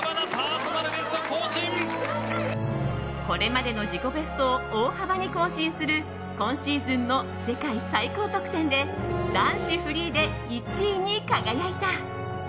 これまでの自己ベストを大幅に更新する今シーズンの世界最高得点で男子フリーで１位に輝いた。